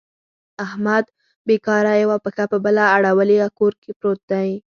احمد بېکاره یوه پښه په بله اړولې کور پورت دی.